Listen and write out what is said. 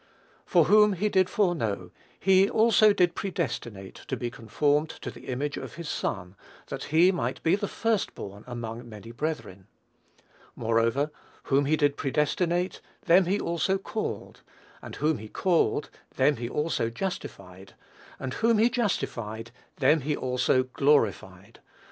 "For whom he did foreknow, he also did predestinate to be conformed to the image of his Son, that he might be the first born among many brethren. Moreover, whom he did predestinate, them he also called; and whom he called, them he also justified; and whom he justified, them he also glorified."